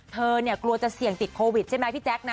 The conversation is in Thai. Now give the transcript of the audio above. เธอเนี่ยกลัวจะเสี่ยงติดโควิดใช่ไหมพี่แจ๊คนะ